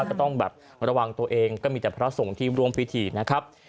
จะต้องแบบระวังตัวเองก็มีแต่พระสงฆ์ที่ร่วมพิธีนะครับ